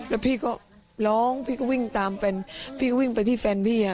แล้วพี่ก็ร้องพี่ก็วิ่งตามแฟนพี่ก็วิ่งไปที่แฟนพี่อ่ะ